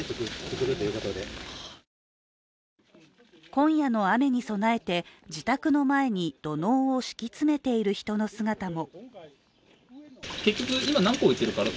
今夜の雨に備えて、自宅の前に土のうを敷き詰めている人の姿も。